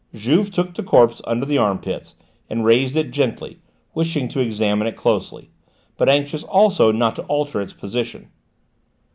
Juve took the corpse under the arm pits and raised it gently, wishing to examine it closely, but anxious, also, not to alter its position.